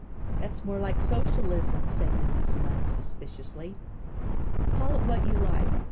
"That's more like Socialism," said Mrs. Munt suspiciously. "Call it what you like.